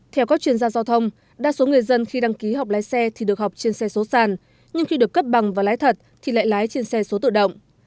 theo các chuyên gia giao thông đa số người dân khi đăng ký học lái xe thì được học trên xe số sàn nhưng khi được cấp bằng và lái thật thì lại lái trên xe số tự động